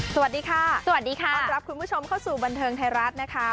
สวัสดีค่ะสวัสดีค่ะต้อนรับคุณผู้ชมเข้าสู่บันเทิงไทยรัฐนะคะ